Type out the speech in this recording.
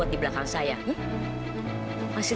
padahal sudah bulan sekarang prima masculin